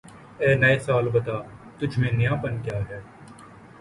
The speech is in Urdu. اے نئے سال بتا، تُجھ میں نیا پن کیا ہے؟